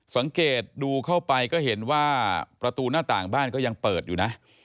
สังเกตดูเข้าไปก็เห็นว่าประตูหน้าต่างบ้านก็ยังเปิดอยู่นะ